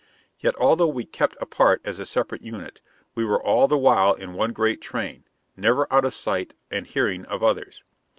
Yet although we kept apart as a separate unit, we were all the while in one great train, never out of sight and hearing of others.